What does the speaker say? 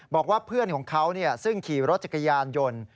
บอกว่าเพื่อนของเขาซึ่งขี่รถจักรยานยนต์